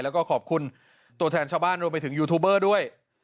แล้วก็ขอบคุณตัวแทนชาวบ้านรวมไปถึงยูทูบเบอร์ด้วย